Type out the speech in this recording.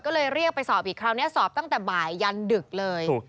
ก็ทันไปสอบอีกคราวเนี่ยศอบตั้งแต่บ่ายยันศักดิ์เลย